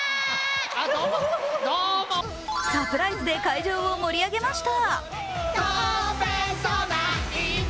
サプライズで会場を盛り上げました！